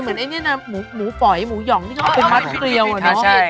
ไม่ค่อยเห็นผลงานเท่าไรเลย